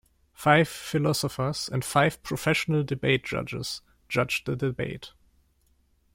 Five philosophers and five professional debate judges judged the debate.